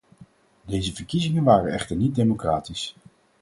Deze verkiezingen waren echter niet democratisch.